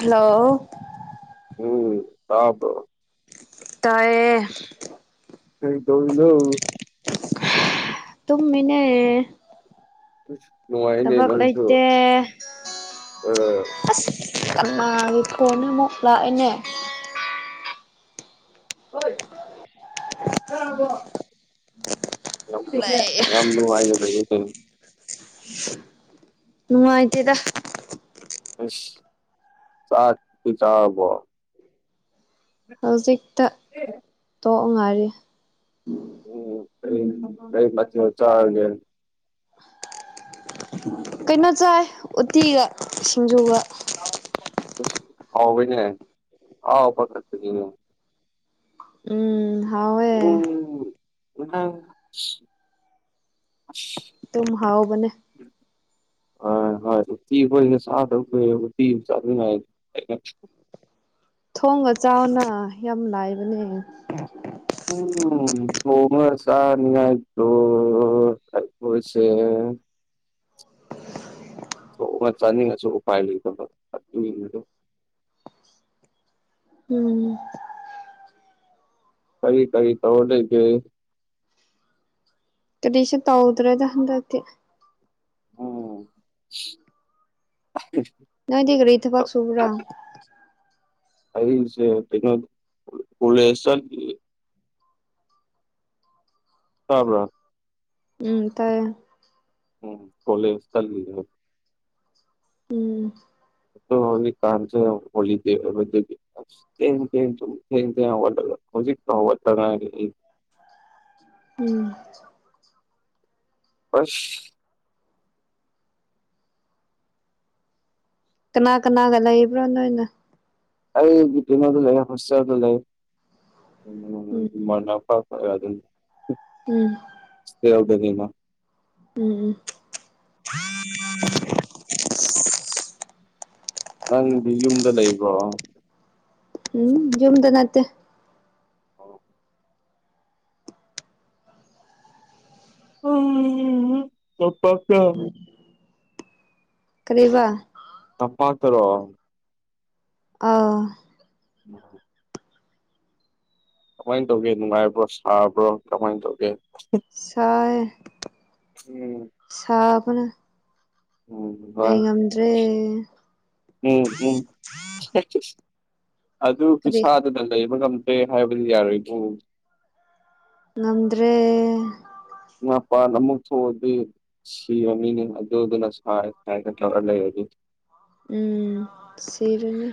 Hello. ꯎꯝ ꯇꯥꯕꫭꯔ ꯇꯥꯌꯦ꯫ ꯀꯩꯗꯧꯔꯤꯅꯪ ꯇꯝ ꯃꯅꯦ ꯂꯅꯨꯡꯉ ꯊꯕꯛ ꯂꯩꯇꯦ ꯑ ꯑꯁ ꯀꯅꯥꯒꯤ ꯐꯣꯟꯅ‌ꯣ ꯑꯃꯨꯛ ꯂꯥꯛꯑꯦꯅꯦ꯫ ꯍ‌ꯣꯏ ꯆꯥꯔꯕ‌ꯣ ꯌꯥꯝ ꯅꯨꯡꯉꯥꯏꯅ ꯂꯩꯌ‌ꯦꯅ‌ꯦ ꯅꯨꯡꯉꯥꯏꯇꯦꯗ ꯆꯥꯛꯇꯤ ꯆꯥꯔꯕꯣ ꯍꯧꯖꯤꯛꯇ ꯇꯣꯛ ꯉꯥꯏꯔꯤ꯫ ꯎꯝ ꯀꯩ ꯀꯩ ꯃꯊ‌ꯦꯜ ꯆꯥꯔꯒ‌ꯦ ꯀꯩꯅꯣ ꯆꯥꯏꯌ‌ꯦ ꯎꯇꯤꯒ ꯁꯤꯡꯖꯨꯒ꯫ ꯑꯁ ꯍꯥꯎꯋꯦꯅꯦ ꯑꯍꯥꯎꯕ [unintelligible] ꯎꯝ ꯍꯥꯎꯋꯦ ꯎꯝ [unintelligible] ꯇꯨꯝ ꯍꯥꯎꯕꯅꯦ꯫ INAUDIBLE ꯑ ꯍꯣꯏ ꯎꯇꯤ ꯍꯣꯏꯅ ꯆꯥꯗ ꯀꯨꯏꯔꯦ ꯎꯇꯤ [unintelligible] ꯊꯣꯡꯒ ꯆꯥꯎꯅ ꯌꯥꯝ ꯂꯥꯏꯕꯅꯦ ꯎꯝ ꯊꯣꯡꯉ ꯆꯥꯅꯤꯉꯥꯏꯗꯣ꯫ UNINTELLIGIBLE ꯊꯣꯛꯑꯒ ꯆꯥꯅꯤꯡꯉꯁꯨ ꯎꯄꯥꯏ ꯂꯩꯗꯕ ꯑꯗꯨꯏ ꯎꯝ꯫ ꯀꯔꯤ ꯀꯔꯤ ꯇꯧꯔ ꯂꯩꯒ‌ꯦ ꯀꯔꯤꯁꯨ ꯇꯧꯗ꯭ꯔꯦꯗ ꯍꯟꯗꯛꯇꯤ꯫ ꯑꯣ [unintelligible] ꯅꯣꯏꯗꯤ ꯀꯔꯤ ꯊꯕꯛ ꯁꯨꯕ꯭ꯔ‌ꯣ ꯑꯩꯁꯦ ꯀꯩꯅꯣ ꯀꯣꯂꯦꯁ ꯆꯠꯂꯤ ꯇꯥꯕꯔꫭ ꯎꯝ ꯇꯥꯏꯌꯦ ꯎꯝ ꯀꯣꯂꯦꯁ [unintelligible] ꯎꯝ꯫ ꯑꯗꫭ ꯍꯧꯖꯤꯛ ꯀꯥꯥꯟꯁꯦ ꯍꯦꯂꯤꯗꯦ ꯑꫭꯏꯕ ꯑꯗꯨꯒꯤ ꯊꯦꯡ ꯊꯦꯡ ꯇꯨꯝꯃ‌ꯦ ꯊꯦꯡ ꯊꯦꯡ ꯍꯧꯒꯠꯂꯒꯥ ꯍꯧꯖꯤꯛꯇ ꯍꯧꯒꯠꯇ ꯉꯥꯏꯔꯤ ꯎꯝ꯫ ꯑꯁ꯫ ꯀꯅꯥ ꯀꯅꯥꯒ ꯂꯩꯕ꯭ꯔ‌ꯣ ꯅꯣꯏꯅ꯫ ꯑꯩ ꯕꯤꯃꯒ ꯂꯩꯌ‌ꯦ ꯍ‌ꯣꯏꯁꯇ‌ꯦꯜꯗ ꯎꯝ ꯂꯩꯌ‌ꯦ [unintelligible] [unintelligible] ꯎꯝ ꯏꯁꯄꯔ‌ꯦ ꯌꯥꯎꯗꯔꯗꯤ ꯎꯝ ꯎꯝ꯫ ꯅꯪꯗꯤ ꯌꯨꯝꯗ ꯂꯩꯕ꯭ꯔꯣ ꯎꯝ ꯌꯨꯝꯗ ꯅꯠꯇꯦ꯫ ꯑꯣ ꯎꯝ ꯇꯝꯄꯥꯛꯇ ꯀꯔꯤꯕ ꯇꯝꯄꯥꯛ ꯇꯔꯣ꯫ ꯑꯥ꯫ ꯎꯝ ꯀꯃꯥꯏ ꯇꯧꯒꯦ ꯅꯨꯡꯉꯥꯏꯕ꯭ꯔꯣ ꯁꯥꯕ꯭ꯔꯣ ꯀꯃꯥꯏ ꯇꯧꯒꯦ ꯁꯥꯏ ꯎꯝ ꯁꯥꯕꯅ ꯎꯝ ꯍꯣꯏ ꯂꯩ ꯉꯝꯗ꯭ꯔꯦ ꯎꯝ ꯎꯝ꯫ ꯑꯗꯨ ꯀꯔꯤ ꯈꯨꯠꯁꯥꯗꯨꯅ ꯂꯩꯕ ꯉꯝꯗ꯭ꯔꯦ ꯍꯥꯏꯕꯗꯤ ꯌꯥꯔꯣꯏꯕꯨ꯫ ꯉꯝꯗ꯭ꯔꯦ ꯃꯄꯥꯟ ꯑꯃꯨꯛ ꯊꯣꯛꯑꯗꯤ꯫ ꯁꯤꯔꯅꯤꯅ‌ꯦ ꯑꯗꯨꯗꯨꯅ ꯁꯥꯏ ꯍꯥꯏꯅ ꯇꯧꯔ ꯂꯩꯔꯗꯤ ꯎꯝ ꯁꯤꯔꯅꯤ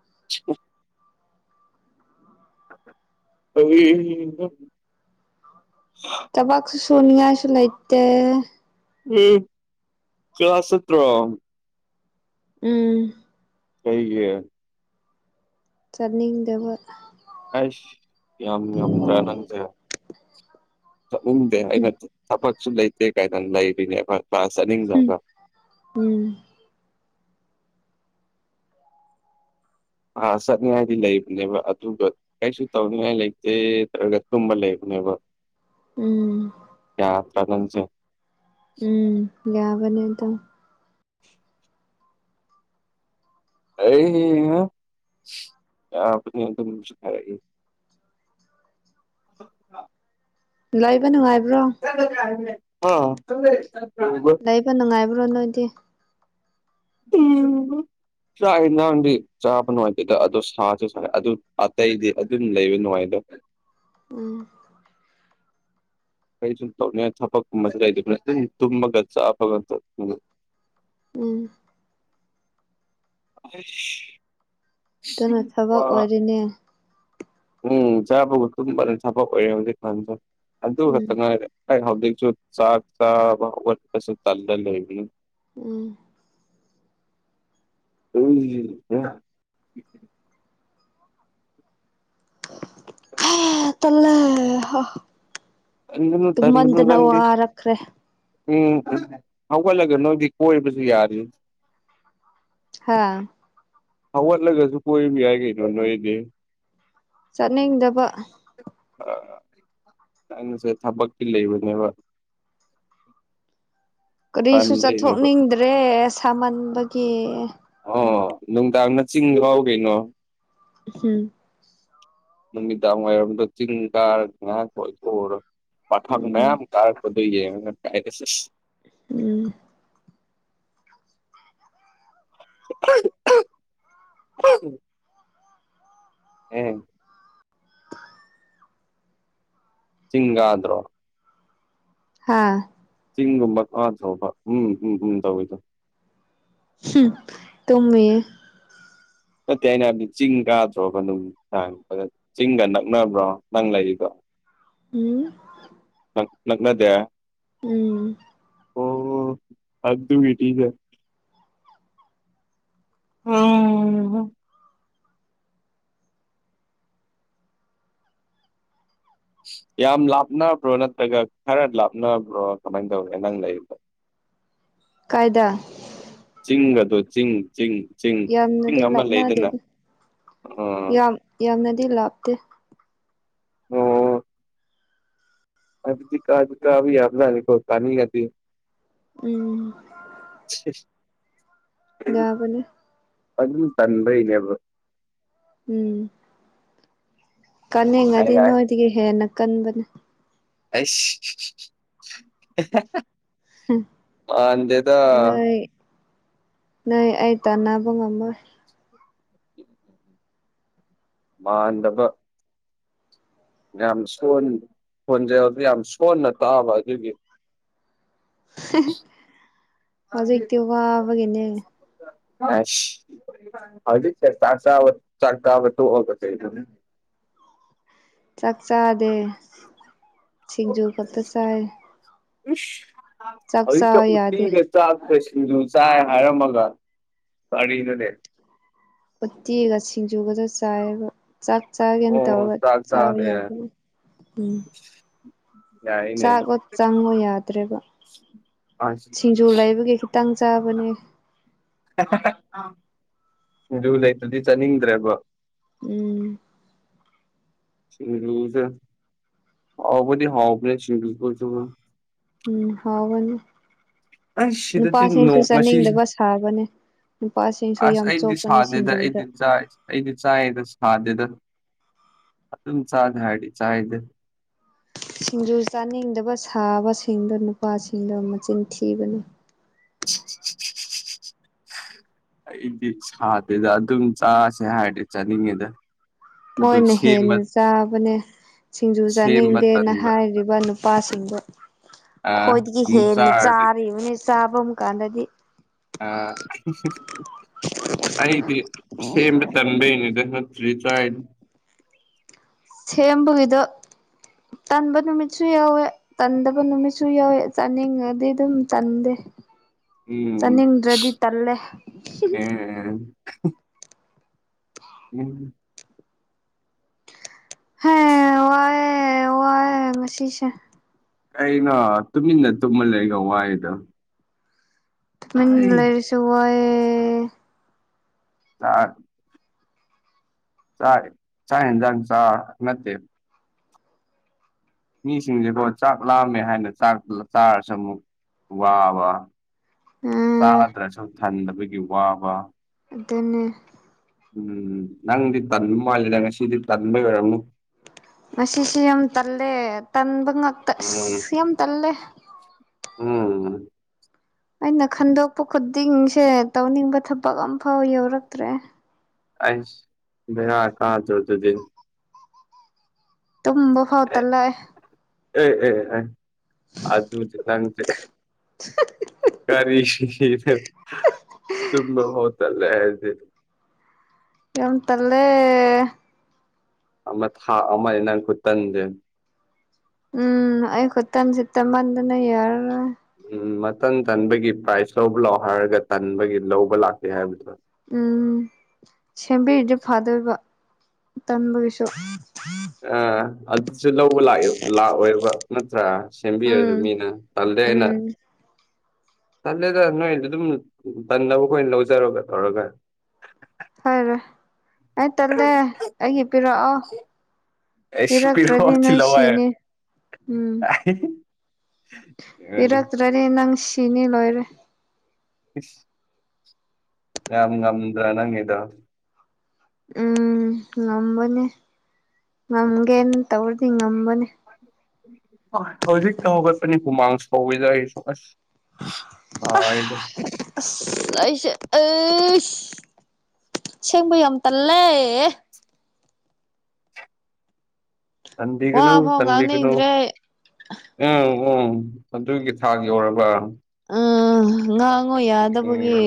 [unintelligible] ꯑꯩ [inaudible] ꯊꯥꯕꯥꯥꯛꯁꯨ ꯁꯣꯅꯤꯌꯥꯁꯨ ꯂꯩꯇꯦ ꯌꯦ ꯀ꯭ꯂꯥꯁ ꯆꯠꯇ꯭ꯔꯣ꯫ ꯎꯝ ꯀꯩꯒꯤ꯫ ꯆꯠꯅꯤꯡꯗꯕ ꯑꯩꯁ ꯌꯥꯝ ꯌꯝꯗ꯭ꯔꯥ ꯅꯪꯖꯦ꯫ ꯆꯠꯅꯤꯡꯗꯦ ꯑꯩꯅ ꯊꯕꯛꯁꯨ ꯂꯩꯇꯦ ꯀꯥꯏꯅ ꯂꯩꯔꯤꯅꯦꯕ ꯀꯥꯔꯥꯁ ꯎꯝ ꯆꯠꯅꯤꯡꯗꯕꯥ ꯎꯝ꯫ ꯑꯥ ꯆꯠꯅꯤꯉꯥꯏꯗꯤ ꯂꯩꯕꯅꯦꯕ ꯑꯗꯨꯒ꯫ ꯀꯩꯁꯨ ꯇꯧꯅꯤꯡꯉꯥꯏ ꯂꯩꯇꯦ ꯇꯧꯔꯒ ꯇꯨꯝꯃ ꯂꯩꯕꯅꯦꯕ꯫ ꯎꯝ꯫ [inaudible] ꯎꯝ ꯌꯥꯕꯅꯦ ꯗꯨꯝ꯫ ꯑꯩ ꯑꯗꯨꯁꯨꯥꯏꯔ [inaudible] [unintelligible] ꯂꯩꯕ ꯅꯨꯡꯉꯥꯏꯕ꯭ꯔꯣ [inaudible] ꯂꯩꯕ ꯅꯨꯡꯉꯥꯏꯕ꯭ꯔꯣ ꯅꯣꯏꯗꯤ ꯎꯝ꯫ ꯆꯥꯛ ꯏꯟꯖꯥꯡꯗꯤ ꯆꯥꯕ ꯅꯨꯡꯉꯥꯏꯇꯦꯗ ꯑꯗꯣ ꯁꯥꯁꯨ ꯁꯥꯏ ꯑꯗꯨ ꯑꯇꯩꯗꯤ ꯑꯗꯨꯝ ꯂꯩꯕ ꯅꯨꯡꯉꯥꯏꯗ꯫ ꯎꯝ꯫ ꯀꯩꯁꯨꯨꯝ ꯇꯧꯅꯤꯉꯥꯢ ꯊꯕꯛꯀꯨꯝꯕꯁꯤ ꯂꯩꯇꯕ ꯇꯨꯝꯃꯒ ꯆꯥꯕꯒ ꯎꯝ [inaudible] ꯑꯩꯅꯦ꯫ ꯎꯝ ꯆꯥꯕꯒ ꯇꯨꯝꯕꯅ ꯊꯕꯛ ꯑꯣꯏꯔꯦ ꯍꯧꯖꯤꯛ ꯀꯥꯟꯗꯣ ꯑꯗꯨ ꯎꯝ ꯈꯛꯇ ꯉꯥꯏꯔꯦ꯫ ꯑꯩ ꯍꯧꯖꯤꯛꯁꯨ ꯆꯥꯥꯛ ꯆꯥꯕ ꯍꯧꯒꯠꯄꯥꯁꯨ ꯇꯥꯟꯂ ꯂꯩꯕꯅꯦ ꯎꯝ [inaudible] ꯑꯦ ꯇꯜꯂꯦ ꯇꯟꯒꯅꯨ ꯇꯨꯝꯃꯟꯗꯅ ꯅꯪꯗꯤ ꯋꯥꯔꯛꯈ꯭ꯔꯦ꯫ ꯎꯝ ꯎꯝ ꯍꯧꯒꯠꯂꯒ ꯅꯣꯏꯗꯤ ꯀꯣꯏꯕꯁꯨ ꯌꯥꯔꯤ ꯍꯥꯥ꯫ ꯍꯧꯒꯠꯂꯒꯁꯨ ꯀꯣꯏꯕ ꯌꯥꯏ ꯀꯩꯅꯣ ꯅꯣꯏꯗꯤ ꯆꯠꯅꯤꯡꯗꯕ꯫ ꯑ ꯅꯪꯁꯦ ꯊꯕꯛꯇꯤ ꯂꯩꯕꯅꯦꯕ [unintelligible] ꯀꯔꯤꯁꯨ ꯇꯟꯕꯩꯅꯦꯕ ꯆꯠꯊꯣꯛꯅꯤꯡꯗ꯭ꯔꯦ ꯁꯥꯃꯟꯕꯒꯤ ꯑꯣ ꯅꯨꯡꯗꯥꯡꯗ ꯆꯤꯡ ꯀꯥꯎ ꯀꯩꯅꯣ ꯎꯝ ꯅꯨꯃꯤꯗꯥꯡ ꯋꯥꯏꯔꯝꯗ ꯆꯤꯡꯒꯥꯥꯔ ꯉꯥꯛ ꯀꯣꯢꯊꯣꯛꯎꯨꯔꯣ ꯃꯐꯥꯝ ꯎꯝ ꯃꯌꯥꯝ ꯀꯥꯔ ꯀꯗꯨ ꯌꯦ [inaudible] ꯀꯥꯏꯗꯁꯤꯁ ꯎꯝ [inaudible] ꯑꯦ ꯆꯤꯡ ꯀꯥꯗ꯭ꯔꯣ꯫ ꯍꯥꯥ ꯆꯤꯡꯒꯨꯝꯕꯗꯤ ꯀꯗ꯬ꯔꯣꯕ ꯎꯝ ꯎꯝ ꯎꯝ ꯇꯧꯔꯤꯗꯣ ꯍꯨꯝ ꯇꯨꯝꯃꯤꯌꯦ ꯅꯠꯇꯦ ꯑꯩꯅ ꯍꯥꯏꯕꯗꯤ ꯆꯤꯡ ꯀꯥꯗꯔꯣꯕ ꯅꯨꯡꯗꯥꯡ ꯆꯤꯡꯒ ꯅꯛꯅꯕ꯭ꯔꯣ ꯅꯪ ꯂꯩꯗꯣ ꯎꯝ꯫ ꯅꯛꯅꯗꯦ꯫ ꯎꯝ꯫ ꯑꯣ ꯑꯗꯨꯒꯤꯗꯤ ꯅꯦ ꯎꯝ ꯌꯥꯝ ꯂꯥꯞꯅꯕ꯭ꯔꯣ ꯅꯠꯇ꯭ꯔꯒ ꯈꯔ ꯂꯥꯞꯅꯕ꯭ꯔꯣ ꯀꯃꯥꯏꯅ ꯇꯧꯔꯦ ꯅꯪ ꯂꯩꯗꯣ ꯀꯥꯏꯗ ꯆꯤꯡꯒꯗꯣ ꯆꯤꯡ ꯆꯤꯡ ꯆꯤꯡ ꯆꯤꯡ ꯌꯥꯝꯅꯗꯤ ꯑꯃ ꯂꯩꯗꯅ ꯂꯥꯞꯅꯗꯦꯗ ꯑ꯫ ꯌꯥꯝ ꯌꯥꯝꯅꯗꯤ ꯂꯥꯞꯇꯦ ꯑꯣ꯫ UNINTELLIGIBLE ꯎꯝ ꯌꯥꯕ ꯑꯗꯨꯝ ꯇꯟꯕꯩꯅꯦꯕ ꯎꯝ ꯑꯩ ꯀꯅꯤꯡꯉꯗꯤ ꯅꯣꯏꯗꯒꯤ ꯍꯦꯟꯅ ꯀꯟꯕꯅꯦ ꯑꯁ ꯅꯣꯏ ꯅꯣꯏ ꯑꯩ ꯇꯥꯟꯕ ꯉꯝꯃꯣꯏ ꯃꯥꯥꯟꯗꯕ ꯌꯥꯝ ꯁꯣꯟ ꯍꯣꯟꯖꯕꯗꯨ ꯌꯥꯝ ꯁꯣꯟꯅ ꯇꯥꯕ ꯑꯗꯨꯒꯤ ꯃꯥꯖꯣ ꯏꯇ ꯋꯥꯕꯒꯤꯦꯅꯦ ꯑ ꯍꯧꯖꯤꯦ ꯆꯆꯥ ꯆꯒꯕꯠꯇ ꯍꯒꯁ ꯆꯥꯛ ꯆꯥꯗꯦ ꯁꯤꯡꯖꯨ ꯈꯛꯇ ꯆꯥꯏ ꯆꯥꯛ ꯍꯧꯖꯤꯀ ꯆꯥ ꯌꯥꯗꯦ ꯎꯠꯇꯤꯒ ꯆꯥꯛꯀ ꯁꯤꯡꯖꯨ ꯆꯥꯢ ꯍꯥꯢꯔꯝꯃꯒ ꯀꯔꯤꯅꯣꯅꯦ ꯎꯠꯇꯦꯛꯒ ꯁꯤꯡꯖꯨꯒꯗ ꯆꯥꯏꯔꯒ ꯆꯥꯛ ꯆꯥꯒꯦꯅ ꯑꯣ ꯇꯧꯔꯒ ꯆꯥꯛ ꯆꯥꯕ ꯆꯥꯔꯦ ꯌꯥꯕ ꯎꯝ ꯌꯥꯏꯅꯦ ꯆꯥꯛꯕ ꯆꯪꯕ ꯌꯥꯗ꯭ꯔꯦꯕ ꯑꯁ ꯁꯤꯡꯖꯨ ꯂꯩꯕꯒꯤ ꯈꯤꯇꯪ ꯆꯥꯕꯅꯦ ꯑꯗꯨ ꯂꯩꯇ꯭ꯔꯗꯤ ꯆꯠꯅꯤꯡꯗ꯭ꯔꯦꯕ ꯎꯝ ꯁꯤꯁ ꯍꯥꯎꯕ ꯍꯥꯎ ꯁꯤ ꯎꯝ ꯍꯥꯎꯕꯅꯤ ꯑꯩ ꯁꯤꯗꯗꯤ ꯅꯨꯄꯥꯁꯤꯡꯁꯨ ꯅꯣꯡ ꯉꯁꯤꯁꯦ ꯆꯥꯅꯤꯡꯗꯕ ꯁꯥꯕꯅꯦ ꯅꯨꯄꯥꯁꯤꯡꯁꯨ ꯑꯁ ꯌꯥꯝ ꯑꯩꯗꯤ ꯆꯣꯞꯄꯅ ꯁꯥꯗꯦꯗ ꯁꯤꯡꯖꯨꯗ꯫ ꯑꯩꯗꯤ ꯆꯥꯏ ꯑꯩꯗꯤ ꯆꯥꯏꯗ ꯁꯥꯗꯦꯗ ꯑꯗꯨꯝ ꯆꯥꯗ ꯍꯥꯏꯗꯤ ꯆꯥꯏꯗ꯫ ꯁꯤꯡꯖꯨ ꯆꯥꯅꯤꯡꯗꯕ ꯁꯥꯕꯁꯤꯡꯗꯣ ꯅꯨꯄꯥꯁꯤꯡꯗꯣ ꯃꯆꯤꯟ ꯊꯤꯕꯅꯤ꯫ ꯑꯩꯗꯤ ꯁꯥꯗꯦꯗ ꯑꯗꯨꯝ ꯆꯥꯁꯦ ꯍꯥꯏꯔꯗꯤ ꯆꯥꯅꯤꯡꯉꯤꯗ ꯃꯣꯏꯅ ꯍꯦꯟꯅ ꯆꯥꯕꯅꯦ ꯁꯤꯡꯖꯨ ꯁꯦꯝꯕ ꯆꯥꯅꯤꯡꯗꯦꯅ ꯇꯟꯕ ꯍꯥꯏꯔꯤ꯫ ꯏ ꯅꯨꯄꯥꯁꯤꯡꯗꯣ ꯑꯥ ꯈ꯭ꯋꯥꯏꯗꯒꯤ ꯑꯃꯨꯛ ꯍꯦꯟꯅ ꯆꯥꯔꯗꯤ ꯆꯥꯔꯤꯕꯅꯤ ꯆꯥꯐꯝ ꯀꯥꯟꯗꯗꯤ ꯑ ꯑꯩꯗꯤ ꯁꯦꯝꯕ ꯇꯟꯕꯩꯅꯤꯗ ꯊ꯭ꯔꯤ ꯆꯥꯏ ꯁꯦꯝꯕꯒꯤꯗ ꯇꯟꯕ ꯅꯨꯃꯤꯠꯁꯨ ꯌꯥꯎꯋꯦ ꯇꯟꯗꯕ ꯅꯨꯃꯤꯠꯁꯨ ꯌꯥꯎꯋꯦ ꯆꯥꯅꯤꯡꯉꯗꯤ ꯑꯗꯨꯝ ꯇꯟꯗꯦ ꯎꯝ ꯆꯥꯅꯤꯡꯗ꯭ꯔꯗꯤ ꯇꯜꯂꯦ ꯑꯦ꯫ ꯎꯝ꯫ ꯍꯦ ꯋꯥꯏꯌꯦ ꯋꯥꯏꯌꯦ ꯉꯥꯁꯤꯁꯦ ꯀꯩꯅꯣ ꯇꯨꯃꯤꯟꯅ ꯇꯨꯝꯃꯥ ꯂꯩꯔꯥ ꯋꯥꯏꯗꯣ ꯇꯨꯃꯤꯟ ꯑꯩ ꯂꯩꯔꯁꯨ ꯋꯥꯌꯦ ꯆꯥꯛ ꯆꯥꯛ ꯆꯥꯛ ꯍꯦꯟꯖꯥꯡ ꯆꯥ ꯅꯠꯇꯦ ꯃꯤꯁꯤꯡꯖꯦꯀꯣ ꯆꯥꯛ ꯂꯥꯝꯃꯦ ꯍꯥꯢꯅ ꯆꯥꯛ ꯆꯥꯔꯁꯨ ꯃꯨꯛ ꯋꯥꯕ ꯎꯝ ꯆꯥꯗ꯭ꯔꯁꯨ ꯊꯟꯗꯕꯒꯤ ꯋꯥꯕ ꯑꯗꯨꯅꯤ꯫ ꯎꯝ ꯅꯪꯗꯤ ꯇꯟꯕ ꯃꯥꯜꯂꯗ ꯉꯁꯤꯗꯤ ꯇꯟꯕꯩ ꯑꯣꯏꯔꯝꯃꯨ ꯉꯁꯤꯁꯤ ꯌꯥꯝ ꯇꯜꯂꯦ ꯇꯟꯕ ꯉꯥꯛꯇ ꯎꯝ ꯑꯁ ꯌꯥꯝ ꯇꯜꯂꯦ꯫ ꯎꯝ ꯑꯩꯅ ꯈꯟꯗꯣꯛꯄ ꯈꯨꯗꯤꯡꯁꯦ ꯇꯧꯅꯤꯡꯕ ꯊꯕꯛ ꯑꯝꯐꯥꯎ ꯌꯧꯔꯛꯇ꯭ꯔꯦ ꯑꯩꯁ ꯕꯦꯔ ꯀꯥꯗꯔꯣ ꯑꯗꯨꯗꯤ꯫ ꯇꯕ ꯑꯦ ꯐꯥꯎꯇꯂ ꯑꯦ ꯑꯦ ꯑꯦ ꯑꯗꯨꯗꯤ ꯅꯪꯖꯨ ꯀꯔꯤꯒꯤꯅꯣ ꯇꯨꯝꯕꯥꯐꯥꯎ ꯇꯜꯂꯦ ꯑꯩꯗꯤ ꯌꯥꯝ ꯇꯜꯂꯦ ꯑꯃ ꯊꯥ ꯑꯃ ꯅꯪ ꯈꯨꯇꯟꯖꯦ ꯎꯝ ꯑꯩꯈꯨꯇꯟꯁꯤ ꯇꯟꯃꯟꯗꯅ ꯌꯥꯔꯔꯣꯏ ꯎꯝ ꯃꯇꯟꯇꯟꯕꯒꯤ ꯄ꯭ꯔꯥꯏꯖ ꯂꯧꯕ ꯂꯥꯛꯑꯣ ꯍꯥꯏꯔꯒ ꯇꯟꯕꯒꯤ ꯂꯧꯕ ꯂꯥꯛꯇꯦ ꯍꯥꯏꯕꯗꯣ ꯎꯝ ꯁꯦꯝꯕꯤꯔꯤꯗꯤ ꯐꯗꯣꯏꯕ ꯇꯟꯕꯒꯤꯁꯨ ꯑ ꯑꯗꯨꯁꯨ ꯂꯧꯕ ꯂꯥꯛꯏ ꯂꯥꯛꯑꯣꯏꯕ ꯅꯠꯇ꯭ꯔꯥ ꯁꯦꯝꯕꯤꯔꯁꯨ ꯎꯝ ꯃꯤꯅ ꯇꯜꯂꯦ ꯍꯥꯏꯅ ꯎꯝ ꯇꯜꯂꯦꯗ ꯅꯣꯏ ꯑꯗꯨꯝ ꯇꯟꯗꯕꯈꯣꯏ ꯂꯧꯖꯔꯣꯒ ꯇꯧꯔꯒ ꯍꯥꯢꯔꯣꯏ ꯑꯩ ꯇꯜꯂꯦ ꯑꯩꯒꯤ ꯄꯤꯔꯛꯑꯣ ꯑꯩꯁ ꯄꯤꯔꯛꯑꯣ ꯄꯤꯔꯛꯇ꯭ꯔꯗꯤ ꯅꯣꯢ ꯁꯤꯅꯤ ꯎꯝ ꯌꯥꯔꯦ ꯇꯔꯥꯗꯤ ꯅꯪ ꯁꯤꯅꯤ ꯂꯣꯏꯔꯦ ꯏꯁ ꯌꯥꯝ ꯉꯝꯗ꯭ꯔꯥ ꯅꯪꯒꯤꯗꯣ ꯎꯝ ꯉꯝꯕꯅꯦ ꯉꯝꯒꯦꯅ ꯇꯧꯔꯗꯤ ꯉꯝꯕꯅꯦ ꯍꯧꯖꯤꯛꯇ ꯍꯧꯒꯠꯄꯅꯤ ꯍꯨꯃꯥꯡ ꯁꯧꯏꯗ ꯑꯩꯁꯨ ꯑꯁ ꯑꯥꯏꯗ ꯑꯁ ꯑꯩꯁꯦ ꯑꯁ ꯁꯦꯡꯕ ꯌꯥꯝ ꯇꯜꯂꯦꯑꯦ ꯇꯟꯕꯤꯒꯅꯨ ꯋꯥꯐꯥꯎ ꯇꯟꯕꯤꯒꯅꯨ ꯉꯥꯡꯅꯤꯡꯗ꯭ꯔꯦ ꯎꯝ ꯎꯝ ꯑꯗꯨꯒꯤ ꯊꯥꯛ ꯌꯧꯔꯕ ꯎꯝ ꯉꯥꯡꯉꯣ ꯎꯝ ꯌꯥꯗꯕꯒꯤ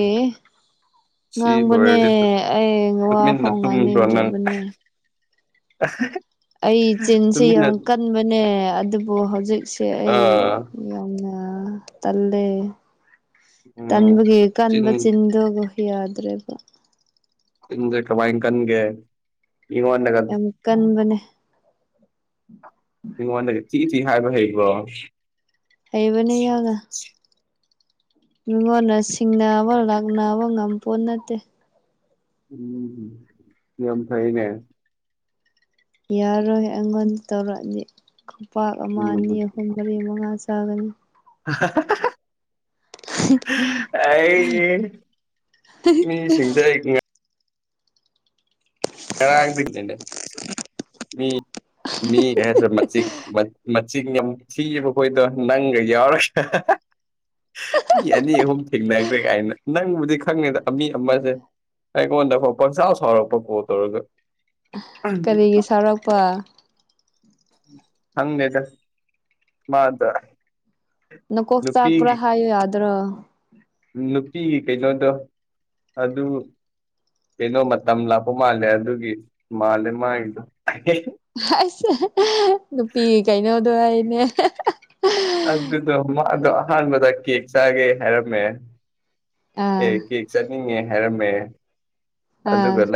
ꯁꯤ ꯉꯥꯡꯕꯅꯦ ꯂꯣꯏꯔꯗꯤ ꯇꯨ ꯑꯩ ꯇꯨꯃꯤꯟꯅ ꯋꯥꯐꯥꯎ ꯇꯨꯝꯈ꯭ꯔꯣ ꯅꯪ ꯉꯥꯡꯅꯤꯡꯗ꯭ꯔꯕꯅꯦ [unintelligible] ꯑꯩ ꯆꯤꯟꯁꯦ ꯇꯨꯃꯤꯟꯅ ꯌꯥꯝ ꯀꯟꯕꯅꯦ ꯑꯗꯨꯕꯨ ꯍꯧꯖꯤꯛꯁꯦ ꯑꯩ ꯑꯥ ꯌꯥꯝꯅ ꯇꯜꯂꯦ ꯎꯝ ꯇꯟꯕꯒꯤ ꯆꯤꯟ ꯀꯟꯕ ꯆꯤꯟꯗꯣ ꯌꯥꯗ꯭ꯔꯦꯕ ꯆꯤꯟꯖꯦ ꯀꯃꯥꯏ ꯀꯟꯒꯦ ꯏꯉꯣꯟꯗꯒ ꯌꯥꯝ ꯀꯟꯕꯅꯦ ꯃꯤꯉꯣꯟꯗꯒꯤ ꯊꯤ ꯊꯤ ꯍꯥꯏꯕ ꯍꯩꯕ꯭ꯔꯣ ꯍꯩꯕꯅꯦ ꯌꯥꯝꯅ ꯃꯤꯉꯣꯟꯅ ꯁꯤꯡꯅꯕ ꯂꯥꯛꯅꯕ ꯉꯝꯄꯣꯠ ꯅꯠꯇꯦ ꯎꯝ ꯌꯥꯝ ꯐꯩꯅꯦ ꯌꯥꯔꯣꯢ ꯑꯩꯉꯣꯟ ꯇꯧꯔꯛꯑꯗꯤ ꯈꯨꯄꯥꯛ ꯑꯃ ꯎꯝ ꯑꯅꯤ ꯑꯍꯨꯝ ꯃꯔꯤ ꯃꯉꯥ ꯆꯥꯒꯅꯤ [unintelligible] ꯑꯩꯖꯤ ꯃꯤꯖꯤꯡꯗ ꯉ ꯀꯔꯒꯅꯦ ꯃꯤ ꯃꯤ ꯃꯁꯤ ꯃꯆꯤꯟ ꯌꯥꯝ ꯊꯤꯑꯕ ꯑꯩꯈꯣꯏꯗꯣ ꯅꯪꯒ ꯌꯥꯎꯔ ꯃꯤ ꯑꯅꯤ ꯑꯍꯨꯝ ꯊꯦꯡꯅꯈ꯭ꯔꯦ ꯀꯥꯏꯅ ꯅꯪꯕꯨꯗꯤ ꯈꯪꯉꯦꯗ ꯃꯤ ꯑꯃꯁꯦ ꯑꯩꯉꯣꯟꯗꯐ ꯄꯪꯆꯥꯎ ꯁꯥꯎꯔꯛꯄ ꯀꯣ ꯇꯧꯔꯒ ꯀꯔꯤꯒꯤ ꯁꯥꯎꯔꯛꯄ ꯈꯡꯗꯦꯗ ꯃꯥꯗꯣ꯫ ꯅꯀꯣꯛ ꯆꯥꯛꯄ꯭ꯔꯥ ꯍꯥꯢꯌꯣ ꯌꯥꯗ꯭ꯔꯣ ꯅꯨꯄꯤꯒꯤ ꯀꯩꯅꯣꯗꯣ ꯑꯗꯨ ꯀꯩꯅꯣ ꯃꯇꯝ ꯂꯥꯛꯄ ꯃꯥꯜꯂꯦ ꯑꯗꯨꯒꯤ ꯃꯥꯜꯂꯦ ꯃꯥꯒꯤꯗꯣ ꯑꯁ ꯅꯨꯄꯤ ꯀꯩꯅꯣꯗꯣ ꯍꯥꯏꯅꯦ ꯑꯗꯨꯗꯣ ꯃꯥꯗꯣ ꯑꯍꯥꯟꯕꯗ ꯀꯦꯛ ꯆꯥꯒꯦ ꯍꯥꯏꯔꯝꯃꯦ ꯑꯦ ꯑꯥ ꯀꯦꯛ ꯆꯠꯅꯤꯡꯉꯦ ꯍꯥꯏꯔꯝꯃꯦ ꯑꯗꯨꯒ ꯑꯥ ꯂꯩ